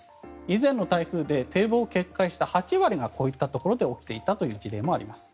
以前の台風で堤防決壊した８割がこういったところで起きていたという事例もあります。